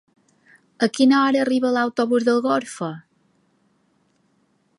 A quina hora arriba l'autobús d'Algorfa?